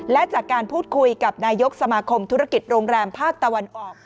และจากการพูดคุยกับนายกสมาคมธุรกิจโรงแรมภาคตะวันออก